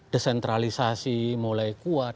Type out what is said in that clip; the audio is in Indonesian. desentralisasi mulai kuat